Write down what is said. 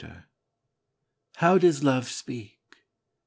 How does Love speak?